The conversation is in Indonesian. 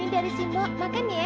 ini dari simba makan ya